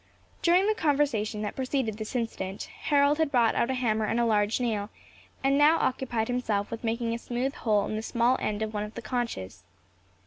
During the conversation that preceded this incident, Harold had brought out a hammer and large nail, and now occupied himself with making a smooth hole in the small end of one of the conches.